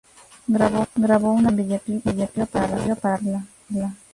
Grabó una canción con videoclip incluido para la película.